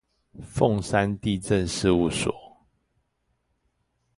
鳳山地政事務所